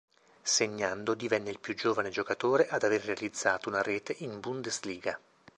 Segnando divenne il più giovane giocatore ad aver realizzato una rete in Bundesliga.